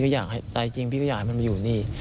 ใจจริงพี่ก็อยากให้มันมาอยู่นี่